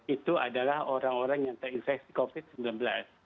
itu adalah orang orang yang terinfeksi covid sembilan belas